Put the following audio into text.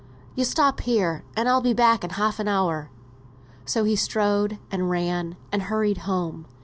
"Yo stop here, and I'll be back in half an hour." So he strode, and ran, and hurried home.